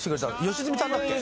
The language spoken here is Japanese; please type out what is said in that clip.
良純さんだっけ？